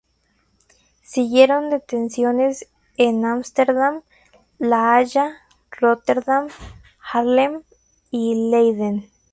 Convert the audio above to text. Siguieron detenciones en Ámsterdam, La Haya, Róterdam, Haarlem y Leiden.